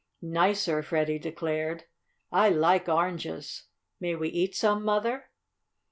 "Nicer," Freddie declared. "I like oranges. May we eat some, Mother?"